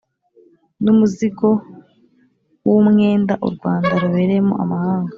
n'umuzigo w'umwenda u rwanda rubereyemo amahanga